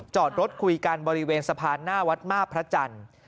จอดรถคุยกันบริเวณสะพานหน้าวัดมาบพระจันทร์